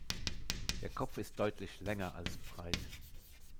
Der Kopf ist deutlich länger als breit.